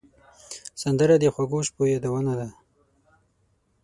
سندره د خوږو شپو یادونه ده